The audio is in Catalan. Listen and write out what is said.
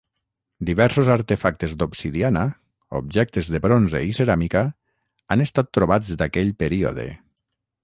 Diversos artefactes d'obsidiana, objectes de bronze i ceràmica han estat trobats d'aquell període.